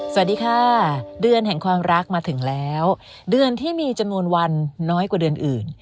สวัสดีค่ะเดือนแห่งความรักมาถึงแล้วเดือนที่มีจำนวนวันน้อยกว่าเดือนอื่น